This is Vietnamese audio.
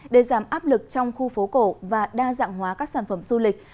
để giảm áp lực trong khu phố cổ và đa dạng hóa các sản phẩm du lịch